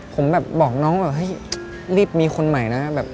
ผมแบบบอกน้องว่ารีบมีคนใหม่นะ